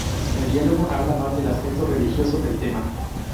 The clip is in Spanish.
El diálogo habla más del aspecto religioso del tema.